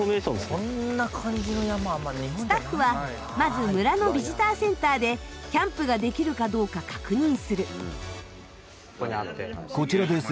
スタッフはまず村のビジターセンターでキャンプができるかどうか確認する。